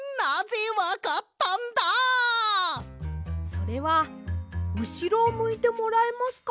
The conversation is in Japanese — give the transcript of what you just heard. それはうしろをむいてもらえますか？